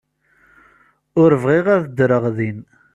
Ur bɣiɣ ad ddreɣ din.